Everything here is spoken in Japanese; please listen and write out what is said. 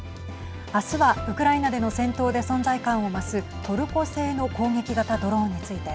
明日は、ウクライナで戦闘で存在感を増すトルコ製の攻撃型ドローンについて。